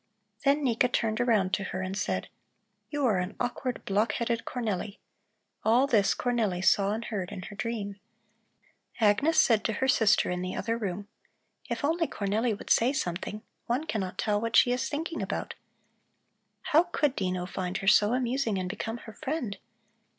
Then Nika turned around to her and said: "You are an awkward, block headed Cornelli!" All this Cornelli saw and heard in her dream. Agnes said to her sister in the other room: "If only Cornelli would say something! One cannot tell what she is thinking about. How could Dino find her so amusing, and become her friend?